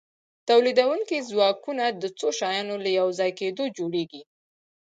تولیدونکي ځواکونه د څو شیانو له یوځای کیدو جوړیږي.